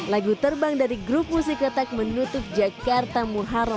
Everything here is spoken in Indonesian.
lagu terbang dari grup musik kotak menutup jakarta muharram